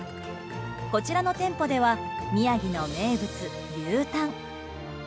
こちらの店舗では宮城の名物牛タン！